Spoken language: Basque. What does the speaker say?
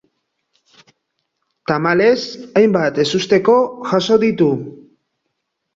Tamalez, hainbat ezusteko jaso ditu.